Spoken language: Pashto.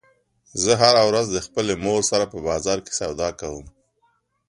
زه هره ورځ د خپلې مور سره په بازار کې سودا کوم